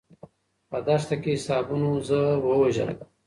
په دښته کې حسابونو زه ووژلم.